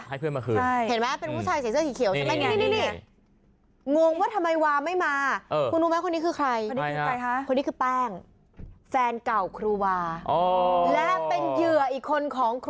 ให้เพื่อนมาคืน